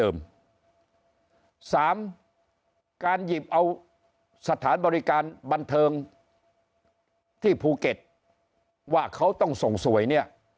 สามการหยิบเอาสถานบริการบันเทิงที่ภูเก็ตว่าเขาต้องส่งสวยเนี่ย